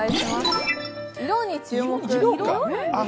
色に注目。